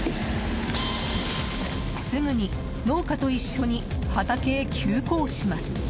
すぐに農家と一緒に畑へ急行します。